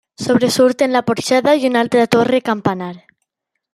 Sobresurten la porxada i una alta torre-campanar.